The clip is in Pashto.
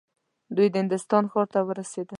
دوی د هندوستان ښار ته راورسېدل.